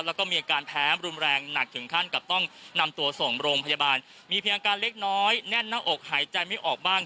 แล้วก็มีอาการแพ้รุนแรงหนักถึงขั้นกับต้องนำตัวส่งโรงพยาบาลมีเพียงอาการเล็กน้อยแน่นหน้าอกหายใจไม่ออกบ้าง